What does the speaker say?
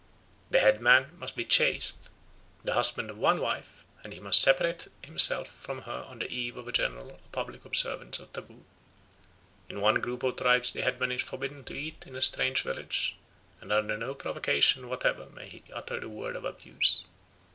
The headman must be chaste, the husband of one wife, and he must separate himself from her on the eve of a general or public observance of taboo. In one group of tribes the headman is forbidden to eat in a strange village, and under no provocation whatever may he utter a word of abuse.